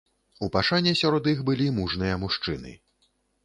У пашане сярод іх былі мужныя мужчыны.